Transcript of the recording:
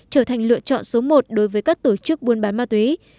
trở thành lựa chọn số một đối với các tổ chức buôn bán ma túy